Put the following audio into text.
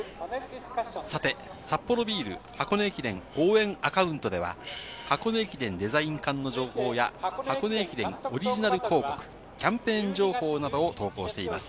さて、サッポロビール箱根駅伝応援アカウントでは、箱根駅伝デザイン缶の情報や、箱根駅伝オリジナル広告、キャンペーン情報などを投稿しています。